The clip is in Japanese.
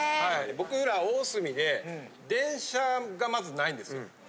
僕ら大隅で電車がまずないんですよ。